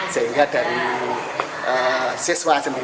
sehingga dari sekolah yang terkenal